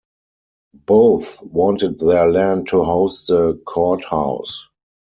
Both wanted their land to host the courthouse.